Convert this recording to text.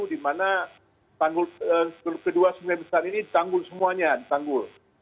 di mana kedua sungai besar ini ditanggul semuanya ditanggul